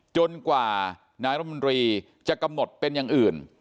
จนกว่านายรมนตรีจะกำหนดเป็นอย่างอื่น